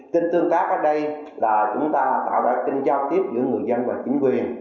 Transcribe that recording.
kênh tương tác ở đây là chúng ta tạo ra kênh giao tiếp giữa người dân và chính quyền